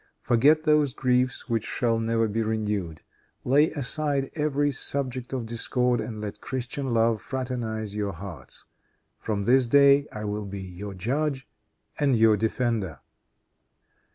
Forget those griefs which shall never be renewed. Lay aside every subject of discord, and let Christian love fraternize your hearts. From this day I will be your judge and your defender."